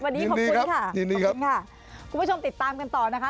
วันนี้ขอบคุณค่ะขอบคุณค่ะคุณผู้ชมติดตามกันต่อนะคะ